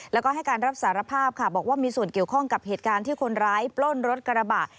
แล้วก็ให้การรับสารภาพค่ะบอกว่ามีส่วนเกี่ยวข้องกับเหตุการณ์ที่คนร้ายปล้นรถกระบะ